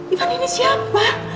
ivan ini siapa